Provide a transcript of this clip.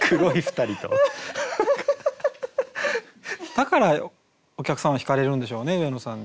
だからお客さんはひかれるんでしょうね上野さんに。